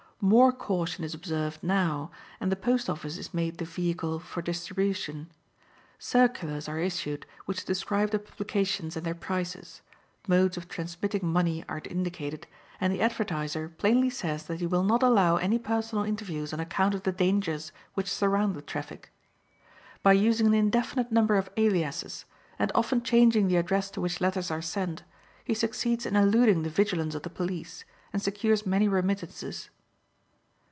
More caution is observed now, and the post office is made the vehicle for distribution. Circulars are issued which describe the publications and their prices, modes of transmitting money are indicated, and the advertiser plainly says that he will not allow any personal interviews on account of the dangers which surround the traffic. By using an indefinite number of aliases, and often changing the address to which letters are sent, he succeeds in eluding the vigilance of the police, and secures many remittances.